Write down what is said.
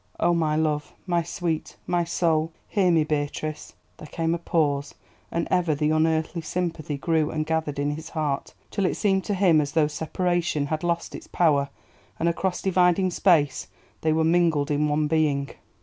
Oh, my love! my sweet! my soul! Hear me, Beatrice!" There came a pause, and ever the unearthly sympathy grew and gathered in his heart, till it seemed to him as though separation had lost its power and across dividing space they were mingled in one being.